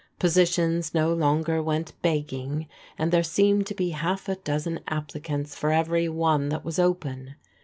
Positions no longer went begging, and there seemed to be half a dozen applicants for every one that was open.